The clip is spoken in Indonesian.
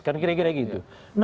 kan kira kira gitu